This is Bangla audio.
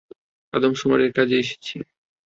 আদমশুমারির কাজে এসেছি।